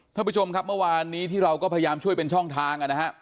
ท่านผู้ชมครับเมื่อวานนี้ที่เราก็พยายามช่วยเป็นช่องทางนะฮะ